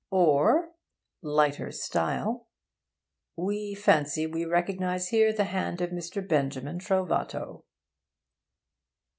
or (lighter style) We fancy we recognise here the hand of Mr. Benjamin Trovato.